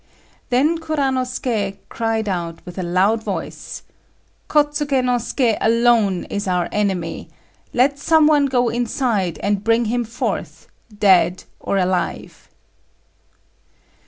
Then Kuranosuké cried out with a loud voice: "Kôtsuké no Suké alone is our enemy; let some one go inside and bring him forth. dead or alive!"